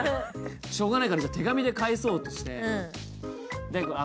しようがないから手紙で返そうとして。